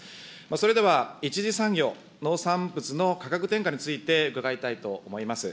それでは一次産業、農産物の価格転嫁について伺いたいと思います。